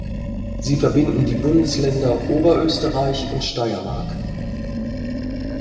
Sie verbinden die Bundesländer Oberösterreich und Steiermark.